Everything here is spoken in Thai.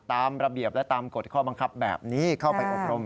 ตามระเบียบและตามกฎข้อบังคับแบบนี้เข้าไปอบรม